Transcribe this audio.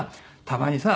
たまにさ